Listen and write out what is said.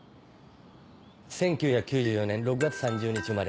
１９９４年６月３０日生まれ